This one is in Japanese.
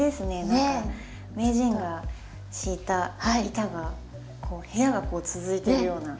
何か名人が敷いた板がこう部屋が続いてるような。